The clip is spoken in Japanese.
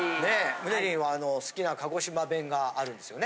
ムネリンは好きな鹿児島弁があるんですよね。